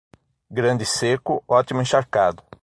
Grande seco, ótimo encharcado.